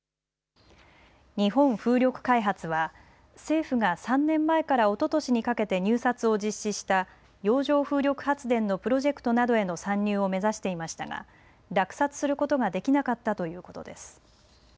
日本風力開発は政府が３年前からおととしにかけて入札を実施した洋上風力発電のプロジェクトなどへの参入を目指していましたが落札することができなかったということです。